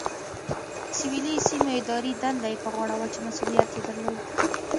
د سویلي سیمو اداري دنده یې په غاړه وه چې مسؤلیت یې درلود.